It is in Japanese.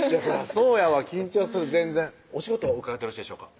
そうやわ緊張する全然お仕事をお伺ってよろしいでしょうか？